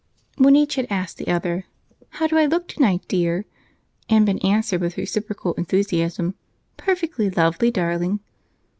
When each had asked the other, "How do I look tonight, dear?" and been answered with reciprocal enthusiasm, "Perfectly lovely, darling!"